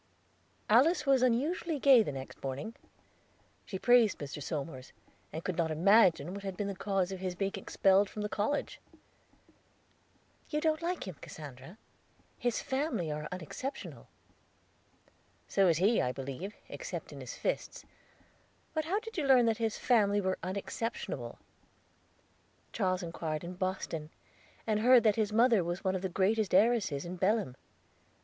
Alice was unusually gay the next morning. She praised Mr. Somers, and could not imagine what had been the cause of his being expelled from the college. "Don't you like him, Cassandra? His family are unexceptionable." "So is he, I believe, except in his fists. But how did you learn that his family were unexceptionable?" "Charles inquired in Boston, and heard that his mother was one of the greatest heiresses in Belem."